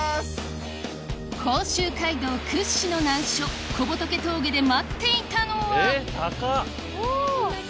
甲州街道屈指の難所小仏峠で待っていたのはえっ高っ。